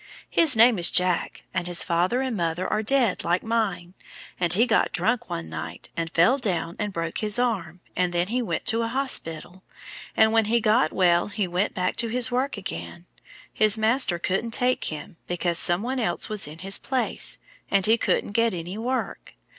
His name is Jack, and his father and mother are dead, like mine; and he got drunk one night, and fell down and broke his arm, and then he went to a hospital; and when he got well and went back to his work again, his master couldn't take him, because some one else was in his place, and he couldn't get any work.